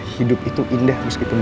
hidup itu indah meskipun